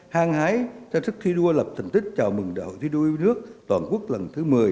hăng hái cho sức thi đua lập thành tích chào mừng đại hội thi đua yêu nước toàn quốc lần thứ một mươi